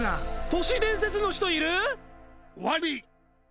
都市伝説の人いる？